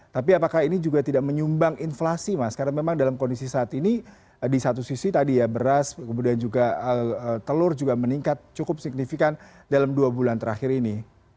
tapi apakah ini juga tidak menyumbang inflasi mas karena memang dalam kondisi saat ini di satu sisi tadi ya beras kemudian juga telur juga meningkat cukup signifikan dalam dua bulan terakhir ini